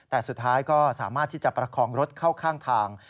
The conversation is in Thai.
แต่สุดท้ายก็สามารถที่จะประคองรถเข้าข้างทาง